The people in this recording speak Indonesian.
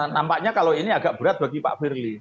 nampaknya kalau ini agak berat bagi pak firly